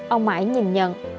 ông mãi nhìn nhận